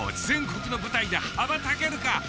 全国の舞台で羽ばたけるか？